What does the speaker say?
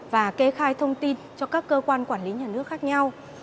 và kê khai thông tin cho các cơ quan quản lý nhà nước khác nhau